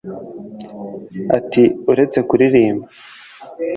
Ati “Uretse kuririmba